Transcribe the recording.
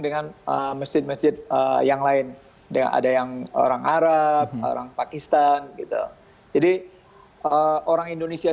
dengan mesjid mesjid yang lain dia ada yang orang arab orang pakistan ini nah orang indonesia